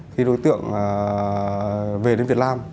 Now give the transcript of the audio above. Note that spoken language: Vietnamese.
khi đối tượng về đến việt nam